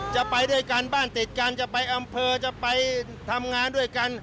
จะไปด้วยกันบ้านติดกันจะไปอำเภอจะไปทำงานด้วยกัน